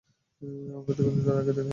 আমাদের দীর্ঘদিন আগে দেখা হয়েছিল।